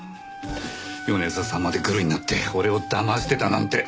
米沢さんまでグルになって俺をだましてたなんて。